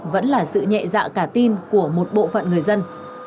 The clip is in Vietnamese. vẫn là sự nhẹ dạ cả tin của một bộ phận người dân